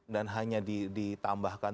dan hanya ditambahkan